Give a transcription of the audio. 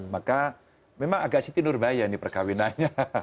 maka memang agak siti nurbaya ini perkawinannya